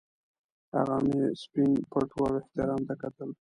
هغه مې سپین پټو او احرام ته کتل.